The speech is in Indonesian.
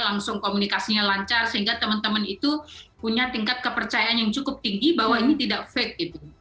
langsung komunikasinya lancar sehingga teman teman itu punya tingkat kepercayaan yang cukup tinggi bahwa ini tidak fake gitu